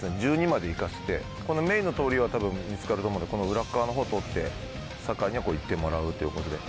１２まで行かせてこのメインの通りは多分見つかると思うのでこの裏っ側のほうを通って酒井には行ってもらうっていうことで。